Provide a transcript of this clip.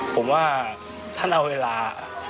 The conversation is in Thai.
ผมว่าท่านเอาเวลา